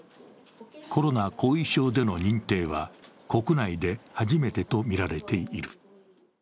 コロナ後遺症での認定は、国内で初めてとみられている。